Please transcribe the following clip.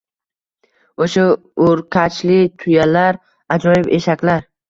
O‘sha o‘rkachli tuyalar, ajoyib eshaklar…